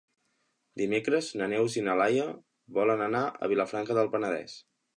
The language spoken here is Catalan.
Dimecres na Neus i na Laia volen anar a Vilafranca del Penedès.